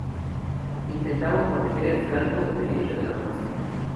Intentaban proteger el flanco derecho del avance.